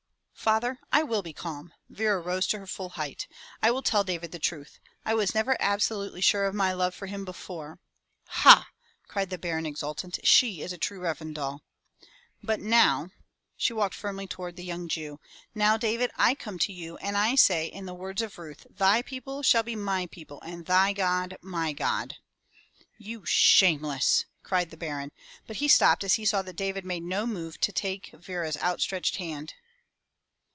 "Father, I will be calm/' Vera rose to her full height. "I will tell David the truth. I was never absolutely sure of my love for him before —" "Hah!" cried the Baron exultant/' she is a true Revendal!" "But now —" she walked firmly toward the young Jew, "now David, I come to you and I say in the words of Ruth, thy people shall be my people and thy God my God." "You shameless!" cried the Baron, but he stopped as he saw that David made no move to take Vera's outstretched hand.